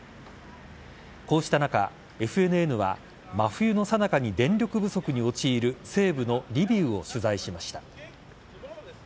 こうした中、ＦＮＮは真冬のさなかに電力不足に陥る西部のリビウを取材しました。